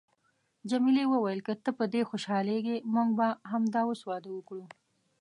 جميلې وويل: که ته په دې خوشحالیږې، موږ به همدا اوس واده وکړو.